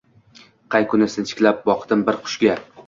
Qay kuni sinchiklab boqdim bir qushga: